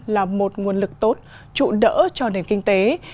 là một nguồn lực tốt trụ đỡ cho nền kinh tế